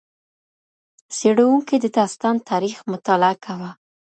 څېړونکي د داستان تاریخ مطالعه کاوه.